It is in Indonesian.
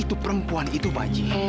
itu perempuan itu pak